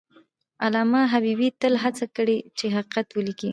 علامه حبیبي تل هڅه کړې چې حقیقت ولیکي.